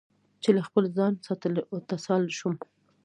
چې له خپل ځان، اتصال شوم